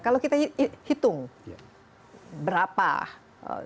kalau kita hitung berapa dari setengah